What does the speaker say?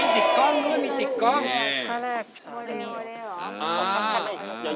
จี๊กล้องนู้นมีจี๊กล้อง